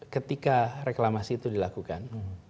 ketika reklamasi itu dilakukan